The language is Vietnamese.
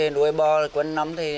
chất nuôi bò đã hơn một mươi năm nay